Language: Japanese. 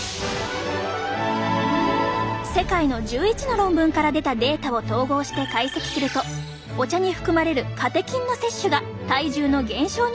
世界の１１の論文から出たデータを統合して解析するとお茶に含まれるカテキンの摂取が体重の減少につながるというのです。